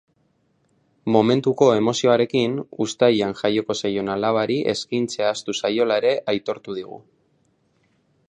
Momentuko emozioarekin uztailean jaioko zaion alabari eskaintzea ahaztu zaiola ere aitortu digu.